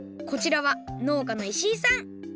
こちらはのうかの石井さん。